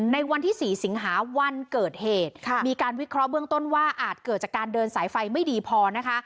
ในวันที่สี่สิงหาวันเกิดเหตุค่ะมีการวิเคราะห์เบื้องต้นว่าอาจเกิดจากการเดินสายไฟไม่ดีพอนะคะ